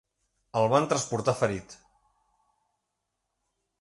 El van transportar ferit.